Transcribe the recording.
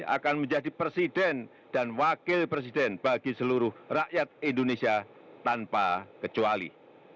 akan menjadi presiden dan wakil presiden bagi seluruh rakyat indonesia tanpa kecuali